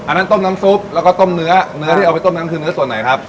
อันนั้นต้มน้ำซุปแล้วก็ต้มเนื้อเนื้อที่เอาไปต้มนั้นคือเนื้อส่วนไหนครับ